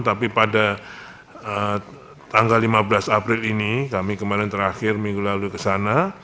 tapi pada tanggal lima belas april ini kami kemarin terakhir minggu lalu ke sana